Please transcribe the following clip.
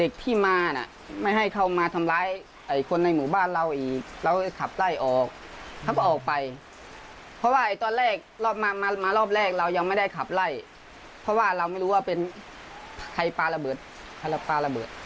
ใครปลาระเบิดปลาระเบิด